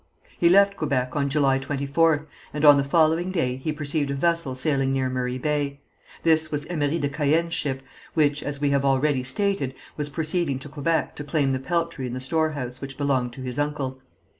He left Quebec on July 24th, and on the following day he perceived a vessel sailing near Murray Bay. This was Emery de Caën's ship, which, as we have already stated, was proceeding to Quebec to claim the peltry in the storehouse which belonged to his uncle.